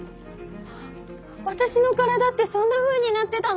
わたしの体ってそんなふうになってたの！？